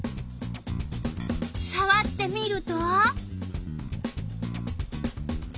さわってみると。